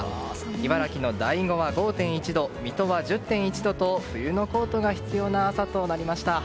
茨城の大子は５．１度水戸は１０．１度と冬のコートが必要な朝となりました。